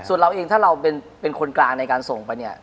ส่วนเราเองถ้าเราเป็นคนกลางในการส่งไปเนี่ย